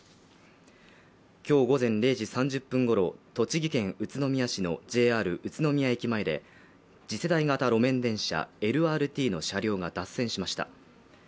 今日午前０時３０分ごろ栃木県宇都宮市のＪＲ宇都宮駅前で次世代型路面電車ＬＲＴの車両が脱線しました